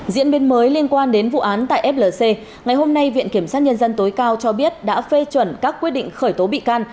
diễn biến mới liên quan đến vụ án tại flc ngày hôm nay viện kiểm sát nhân dân tối cao cho biết đã phê chuẩn các quyết định khởi tố bị can